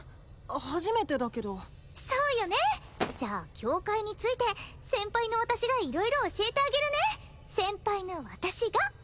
初めてだけどそうよねじゃあ境界について先輩の私が色々教えてあげるね先輩の私が！